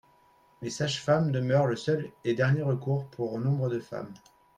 Les sages-femmes demeurent le seul et dernier recours pour nombre de femmes.